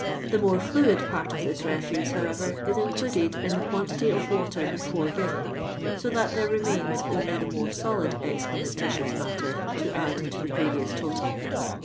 '' The more fluid part of this refuse, however, n included in the quantity of water before given, so that there remains only the more solid excremen titious matter to add to the previous total.